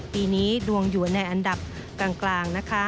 ปีนี้ดวงอยู่ในอันดับกลางนะคะ